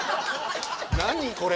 何これ！